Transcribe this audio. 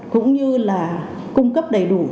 cũng như là cung cấp đầy đủ